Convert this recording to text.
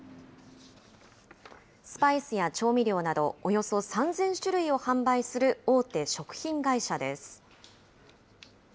スパイスや調味料などおよそ３０００種類を販売する大手食品会社です。